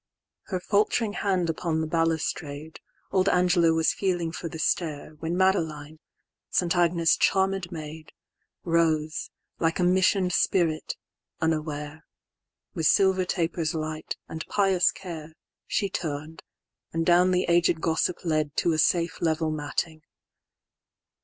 XXII.Her falt'ring hand upon the balustrade, Old Angela was feeling for the stair, When Madeline, St. Agnes' charmed maid, Rose, like a mission'd spirit, unaware:With silver taper's light, and pious care, She turn'd, and down the aged gossip ledTo a safe level matting.